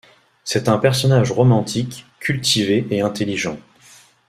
C'est un personnage romantique, cultivé et intelligent.